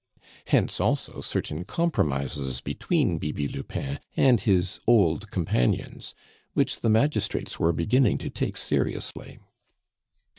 Hence, also, certain compromises between Bibi Lupin and his old companions, which the magistrates were beginning to take seriously.